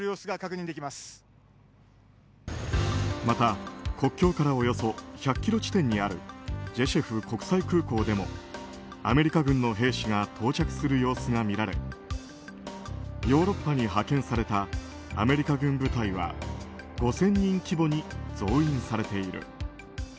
また国境からおよそ１００ｋｍ地点にあるジェシュフ国際空港でもアメリカ軍の兵士が到着する様子が見られヨーロッパに派遣されたアメリカ軍部隊は５０００人規模に増員されている。